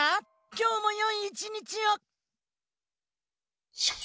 きょうもよいいちにちを！